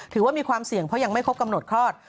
ถือว่ามีความเสี่ยงเพราะยังไม่ครบกำหนดคลอด